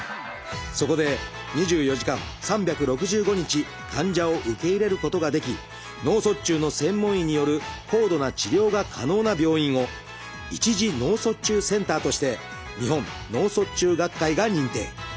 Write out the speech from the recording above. そこで２４時間３６５日患者を受け入れることができ脳卒中の専門医による高度な治療が可能な病院を一次脳卒中センターとして日本脳卒中学会が認定。